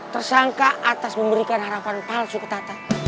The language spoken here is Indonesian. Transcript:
tersangka atas memberikan harapan palsu ke tata